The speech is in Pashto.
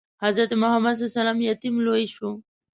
حضرت محمد ﷺ یتیم لوی شو.